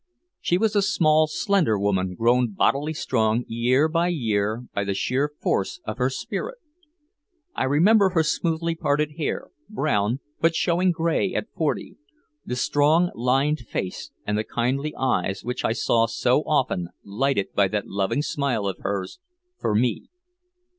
She was a small, slender woman grown bodily stronger year by year by the sheer force of her spirit. I remember her smoothly parted hair, brown but showing gray at forty, the strong, lined face and the kindly eyes which I saw so often lighted by that loving smile of hers for me.